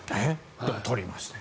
でも、取りましたよ。